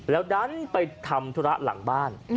แล้วดันไปทำธุระหลังบ้าน